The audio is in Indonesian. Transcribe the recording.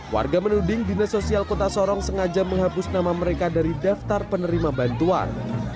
warga menuding dinas sosial kota sorong sengaja menghapus nama mereka dari daftar penerima bantuan